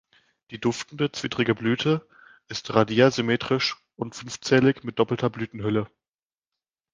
Die duftende, zwittrige Blüte ist radiärsymmetrisch und fünfzählig mit doppelter Blütenhülle.